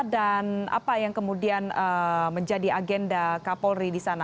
dan apa yang kemudian menjadi agenda kapolri di sana